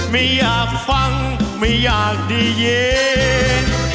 ไม่อยากฟังไม่อยากดีเยน